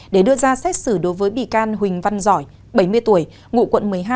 để đưa ra xét xử đối với bị can huỳnh văn giỏi bảy mươi tuổi ngụ quận một mươi hai